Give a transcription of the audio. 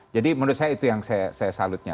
jadi menurut saya itu yang saya salutnya